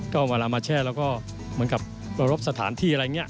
ก็เวลามาแช่แล้วก็เหมือนกับเคารพสถานที่อะไรอย่างนี้